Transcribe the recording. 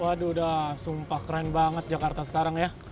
waduh udah sumpah keren banget jakarta sekarang ya